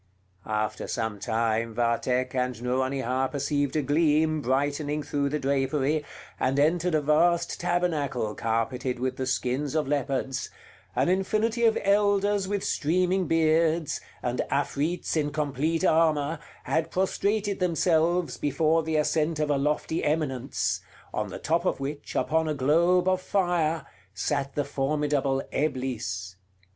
After some time Vathck and Nouronihar perceived a gleam brightening through the drapery, and entered a vast tabernacle carpeted with the skins of leopards; an infinity of elders with streaming beards, and Afrits in complete armor, had prostrated themselves before the ascent of a lofty eminence, on the top of which, upon a globe of fire, sat the formidable Eblis.